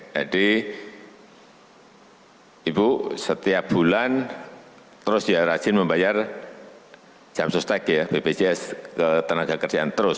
jadi ibu setiap bulan terus ya rajin membayar jam susnek ya bpjs ketenagakerjaan terus